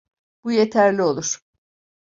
Bu yeterli olur.